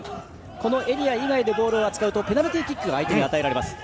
このエリア以外でボールを扱うとペナルティーキックが相手に与えられます。